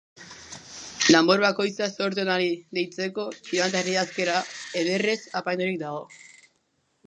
Danbor bakoitza zorte onari deitzeko txinatar idazkera ederrez apaindurik dago.